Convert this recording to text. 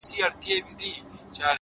وجود به اور واخلي د سرې ميني لاوا به سم،